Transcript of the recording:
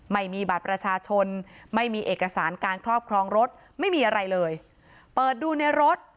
ไม่มีบัตรประชาชนไม่มีเอกสารการครอบครองรถไม่มีอะไรเลยเปิดดูในรถ